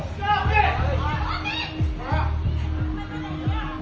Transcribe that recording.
สวัสดีครับ